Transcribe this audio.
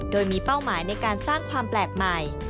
โดยมีเป้าหมายในการสร้างความแปลกใหม่